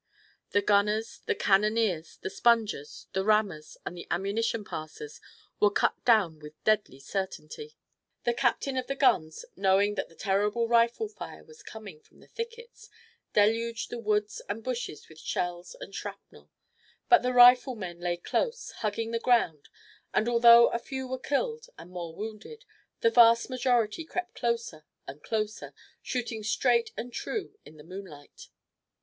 The gunners, the cannoneers, the spongers, the rammers and the ammunition passers were cut down with deadly certainty. The captain of the guns, knowing that the terrible rifle fire was coming from the thickets, deluged the woods and bushes with shells and shrapnel, but the riflemen lay close, hugging the ground, and although a few were killed and more wounded, the vast majority crept closer and closer, shooting straight and true in the moonlight.